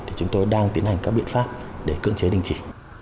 thì chúng tôi đang tiến hành các biện pháp để cưỡng chế đình chỉ